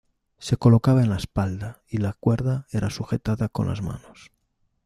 Se colocaba en la espalda y la cuerda era sujetada con las manos.